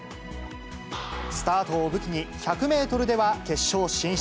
スタートを武器に、１００メートルでは決勝進出。